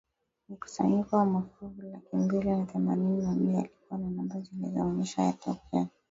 mkusanyiko wa mafuvu laki mbili na themanini na nne yalikuwa na namba zilizoonyesha yalitokea